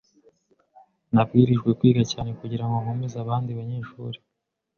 Nabwirijwe kwiga cyane kugirango nkomeze abandi banyeshuri.